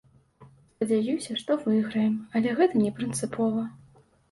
Спадзяюся, што выйграем, але гэта не прынцыпова.